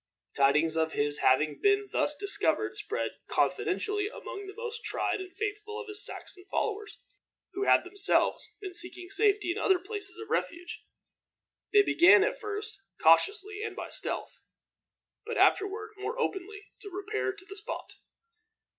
Tidings of his having been thus discovered spread confidentially among the most tried and faithful of his Saxon followers, who had themselves been seeking safety in other places of refuge. They began, at first cautiously and by stealth, but afterward more openly, to repair to the spot.